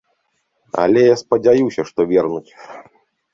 Але я спадзяюся, што вернуць.